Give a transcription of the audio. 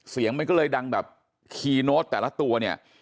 เสียงมันก็เลยดังแบบคีย์โน้ตแต่ละตัวเนี่ย